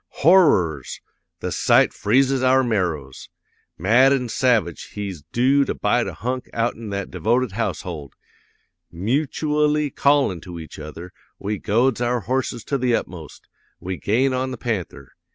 Horrors! the sight freezes our marrows! Mad an' savage, he's doo to bite a hunk outen that devoted household! Mutooally callin' to each other, we goads our horses to the utmost. We gain on the panther!